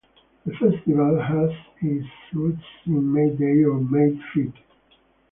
The festival has its roots in May Day, or Mayfete.